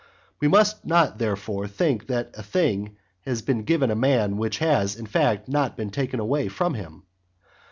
We must not, therefore, think that a thing has been given to a man which has, in fact, not been taken away from him.